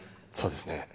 そうですね。